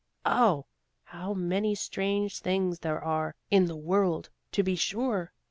Oh! how many strange things there are in the world, to be sure!